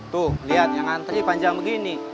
tuh lihat yang antri panjang begini